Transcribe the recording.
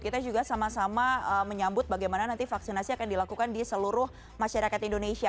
kita juga sama sama menyambut bagaimana nanti vaksinasi akan dilakukan di seluruh masyarakat indonesia